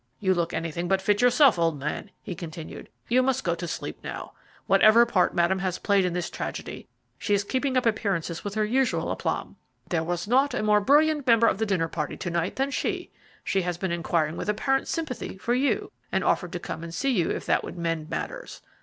You look anything but fit yourself, old man," he continued. "You must go to sleep now. Whatever part Madame has played in this tragedy, she is keeping up appearances with her usual aplomb. There was not a more brilliant member of the dinner party to night than she. She has been inquiring with apparent sympathy for you, and offered to come and see you if that would mend matters.